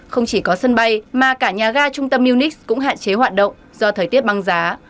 không chỉ có sân bay mà cả nhà ga trung tâm munich cũng hạn chế hoạt động do thời tiết băng giá